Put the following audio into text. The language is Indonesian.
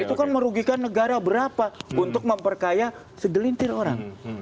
itu kan merugikan negara berapa untuk memperkaya segelintir orang